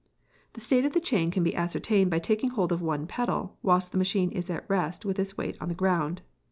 The state of the chain can be ascertained by taking hold of one pedal, whilst the machine is at rest with its weight on the ground.